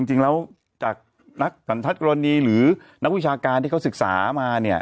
จริงแล้วจากนักสันทัศนกรณีหรือนักวิชาการที่เขาศึกษามาเนี่ย